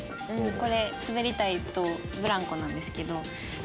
これ滑り台とブランコなんですけど。